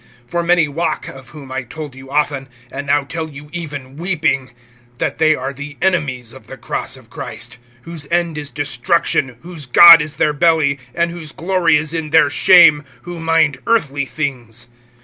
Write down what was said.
(18)For many walk, of whom I told you often, and now tell you even weeping, that they are the enemies of the cross of Christ; (19)whose end is destruction, whose God is their belly, and whose glory is in their shame, who mind earthly things.